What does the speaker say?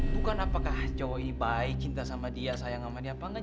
bukan apakah cowok ini baik cinta sama dia sayang sama dia apa engga